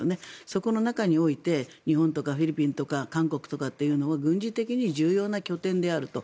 そこの中において日本とかフィリピンとか韓国というのは軍事的に重要な拠点であると。